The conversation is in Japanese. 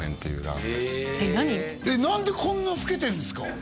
何でこんな老けてんですか？